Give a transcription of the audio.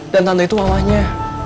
dan tante itu allahnya